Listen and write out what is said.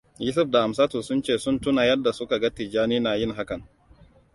Yusuf da Amsatu sun ce sun tuna yadda suka ga Tijjani na yin hakan.